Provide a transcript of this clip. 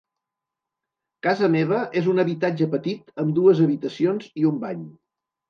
Casa meva és un habitatge petit amb dues habitacions i un bany.